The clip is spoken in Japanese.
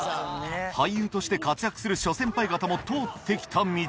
俳優として活躍する諸先輩方も通って来た道